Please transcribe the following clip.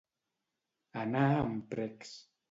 Anar amb precs.